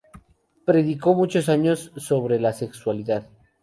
Predicó mucho sobre la sexualidad.